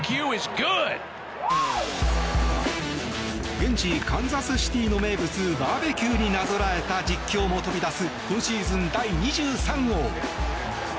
現地カンザスシティーの名物バーベキューになぞらえた実況も飛び出す今シーズン第２３号。